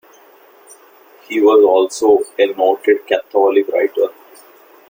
He was also a noted Catholic writer.